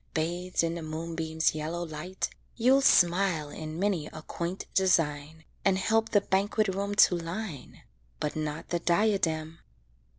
Bathed in the moonbeam's yellow light, You'll smile in many a quaint design, And help the banquet room to line But not the diadem.